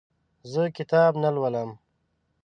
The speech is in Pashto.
زه کتاب نه لولم.